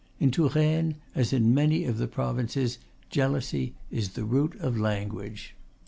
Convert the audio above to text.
In Touraine, as in many of the provinces, jealousy is the root of language.